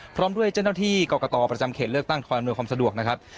พร้อมด้วยเจ้าหน้าที่กรกตประจำเขตเลือกตั้งคอยอำนวยความสะดวกนะครับ